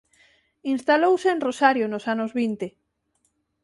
Instalouse en Rosario nos anos vinte.